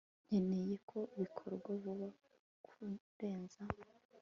nkeneye ko bikorwa vuba kurenza